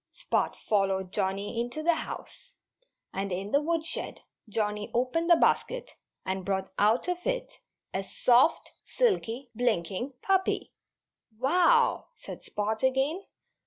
_" Spot followed Johnnie into the house. And in the woodshed Johnnie opened the basket and brought out of it a soft, silky, blinking puppy! "Wow!" said Spot again.